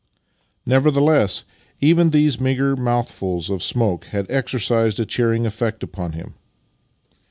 Nevertheless, even these meagre mouthfuls of smoke had exercised a cheering effect upon him.